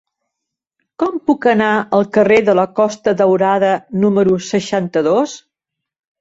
Com puc anar al carrer de la Costa Daurada número seixanta-dos?